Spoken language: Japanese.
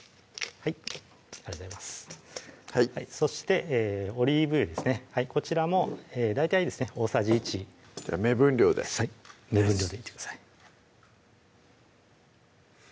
はいそしてオリーブ油ですねこちらも大体ですね大さじ１目分量で目分量でいってください